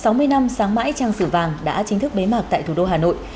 sau sáu mươi năm sáng mãi trang sử vàng đã chính thức bế mạc tại thủ đô hà nội